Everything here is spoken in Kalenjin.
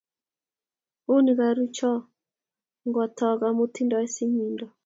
Iuni karucho ngwokto amu tindo simdo